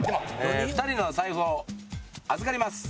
２人の財布を預かります。